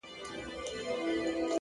د لرې ښار رڼاګانې د خیال فاصله لنډوي!